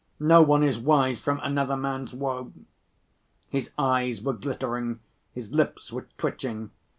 No one is wise from another man's woe." His eyes were glittering, his lips were twitching.